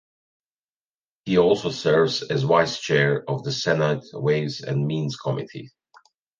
He also serves as vice chair of the Senate Ways and Means Committee.